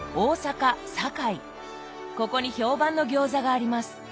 ここに評判の餃子があります。